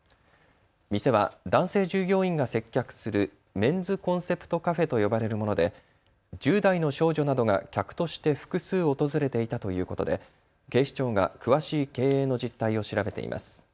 店は男性従業員が接客するメンズコンセプトカフェと呼ばれるもので１０代の少女などが客として複数訪れていたということで警視庁が詳しい経営の実態を調べています。